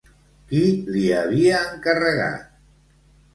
Qui li havia encarregat?